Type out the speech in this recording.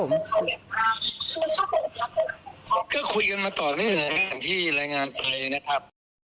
ก็คุยกันมาต่อที่รายงานไปนะครับ